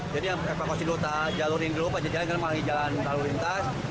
jadi yang evakuasi luta jalurin gelop aja jalan jalan malah jalan lalu lintas